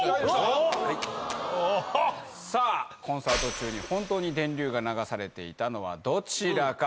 さあコンサート中に本当に電流が流されていたのはどちらか。